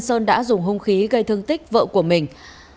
sơn đã dùng hung khí gây thương tích vợ của mình